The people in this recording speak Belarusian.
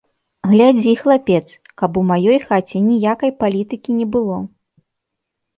Глядзі, хлапец, каб у маёй хаце ніякай палітыкі не было!